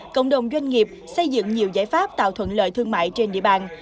cộng đồng doanh nghiệp xây dựng nhiều giải pháp tạo thuận lợi thương mại trên địa bàn